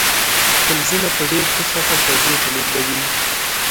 فلزونه په ډیر ښه شکل تودوخه لیږدوي.